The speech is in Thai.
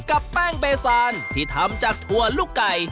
กับแป้งเบซานที่ทำจากถั่วลูกไก่